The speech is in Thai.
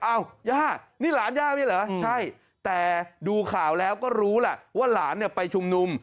ย่านี่หลานย่านี่เหรอใช่แต่ดูข่าวแล้วก็รู้แหละว่าหลานเนี่ยไปชุมนุม